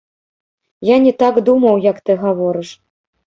Я не так думаў, як ты гаворыш.